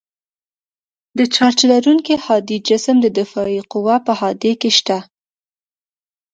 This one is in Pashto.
د چارج لرونکي هادي جسم د دافعې قوه په هادې کې شته.